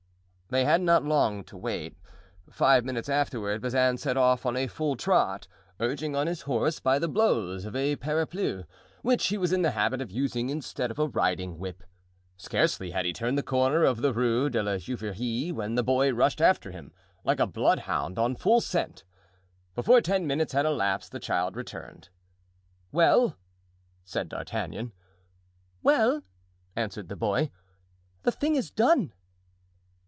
They had not long to wait. Five minutes afterward Bazin set off on a full trot, urging on his horse by the blows of a parapluie, which he was in the habit of using instead of a riding whip. Scarcely had he turned the corner of the Rue de la Juiverie when the boy rushed after him like a bloodhound on full scent. Before ten minutes had elapsed the child returned. "Well!" said D'Artagnan. "Well!" answered the boy, "the thing is done."